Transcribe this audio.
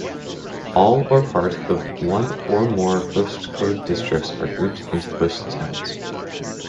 All, or part, of one or more postcode districts are grouped into post towns.